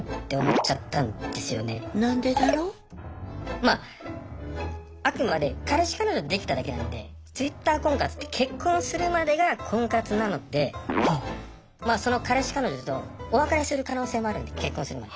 まああくまで彼氏彼女できただけなんでＴｗｉｔｔｅｒ婚活って結婚するまでが婚活なのでまあその彼氏彼女とお別れする可能性もあるので結婚するまで。